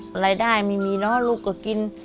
รายได้ไม่มีเนอะลูกก็กิน